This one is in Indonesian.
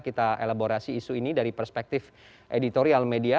kita elaborasi isu ini dari perspektif editorial media